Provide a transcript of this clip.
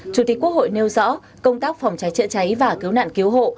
chủ tịch quốc hội nêu rõ công tác phòng cháy chữa cháy và cứu nạn cứu hộ